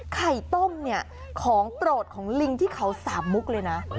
ไข่ต้มเนี่ยของโปรดของลิงที่เขาสามมุกเลยนะ